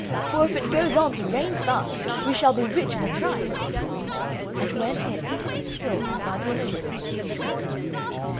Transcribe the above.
for if it goes on to rain thus we shall be rich in a trice." And when he had eaten his fill Vardiello went up to sleep.